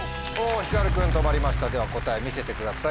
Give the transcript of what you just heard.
ひかる君止まりましたでは答え見せてください。